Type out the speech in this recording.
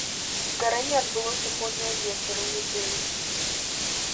Здарэнне адбылося позна ўвечары ў нядзелю.